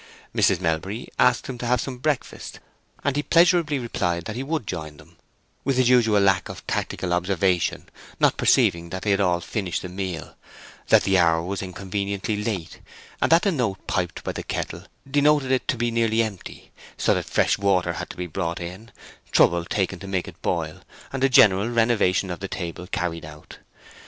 Mrs. Melbury asked him to have some breakfast, and he pleasurably replied that he would join them, with his usual lack of tactical observation, not perceiving that they had all finished the meal, that the hour was inconveniently late, and that the note piped by the kettle denoted it to be nearly empty; so that fresh water had to be brought in, trouble taken to make it boil, and a general renovation of the table carried out.